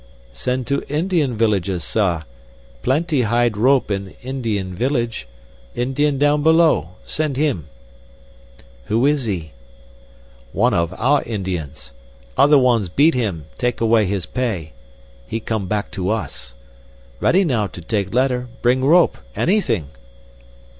"Send to Indian villages, sah. Plenty hide rope in Indian village. Indian down below; send him." "Who is he? "One of our Indians. Other ones beat him and take away his pay. He come back to us. Ready now to take letter, bring rope, anything."